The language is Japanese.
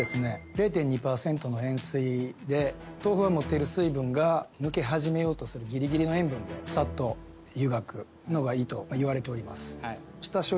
０．２パーセントの塩水で豆腐が持っている水分が抜け始めようとするギリギリの塩分でサッと湯がくのがいいと言われております。